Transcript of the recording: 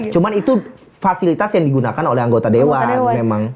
cuman itu fasilitas yang digunakan anggota dewan